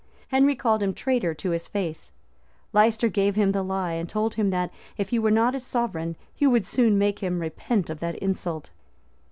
Henry called him traiter to his face; Leicester gave him the lie, and told him that, if he were not his sovereign, he would soon make him repent of that insult.